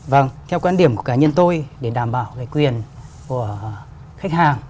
vâng theo quan điểm của cá nhân tôi để đảm bảo cái quyền của khách hàng